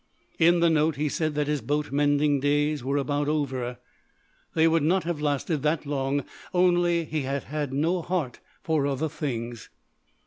In the note he said that his boat mending days were about over. They would not have lasted that long only he had had no heart for other things.